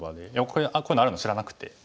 こういうのあるの知らなくて。